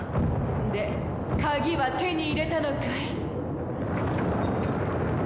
で鍵は手に入れたのかい？